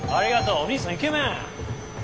おにいさんイケメン！